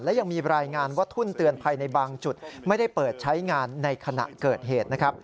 และยังมีรายงานว่าทุ่นเตือนภัยในบางจุดไม่ได้เปิดใช้งานในขณะเกิดเหตุนะครับ